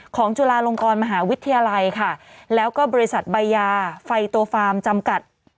จุฬาลงกรมหาวิทยาลัยค่ะแล้วก็บริษัทใบยาไฟโตฟาร์มจำกัด